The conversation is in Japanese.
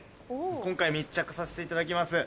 今回密着させていただきます。